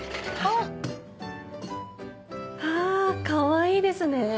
わぁかわいいですね。